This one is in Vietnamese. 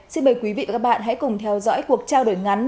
xin mời quý vị và các bạn hãy cùng theo dõi cuộc trao đổi ngắn